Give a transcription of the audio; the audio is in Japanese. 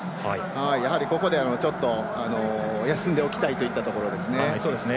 やはり、ここで休んでおきたいといったところですね。